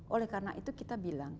oleh karena itu kita bilang